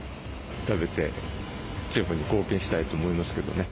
食べて地方に貢献したいと思いますけどね。